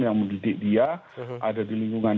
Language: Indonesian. yang mendidik dia ada di lingkungan